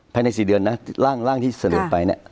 ภายใน๔เดือนนะร่างที่เสนอไปเนี่ย